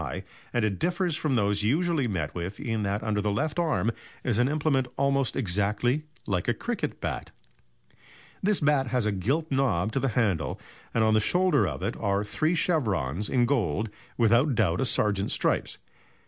high, and it differs from those usually met with in that under the left arm is an implement almost exactly like a cricket bat. This bat has a gilt knob to the handle, and on the shoulder of it are three chevrons in gold, without doubt a sergeant's stripes.